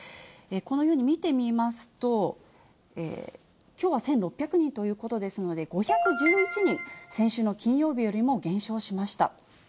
このように見てみますと、きょうは１６００人ということですので、５１１人、先週の金曜日よりも減少しました。